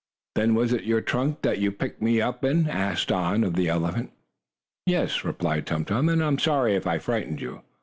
"Then was it your trunk that you picked me up in?" asked Don, of the elephant. "Yes," replied Tum Tum, "and I am sorry if I frightened you."